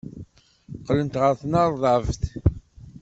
Qqlent ɣer tnerdabt.